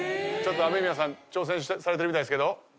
ちょっとＡＭＥＭＩＹＡさん挑戦されてるみたいですけど？